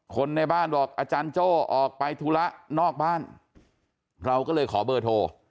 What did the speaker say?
คนในบ้านบอกอาจารย์โจ้ออกไปธุระนอกบ้านเราก็เลยขอเบอร์โทร